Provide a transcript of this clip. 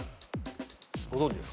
ご存じですか？